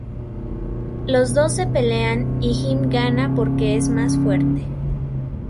Los dos se pelean y Jim gana porque es más fuerte.